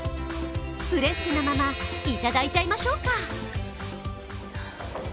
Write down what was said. フレッシュなまま、いただいちゃいましょうか！